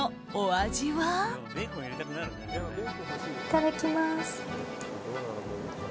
いただきます。